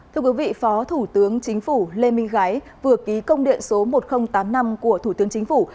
thưa quý vị phó thủ tướng chính phủ lê minh gái vừa ký công điện số một nghìn tám mươi năm của thủ tướng chính phủ